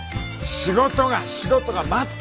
仕事が仕事が待ってんだよ！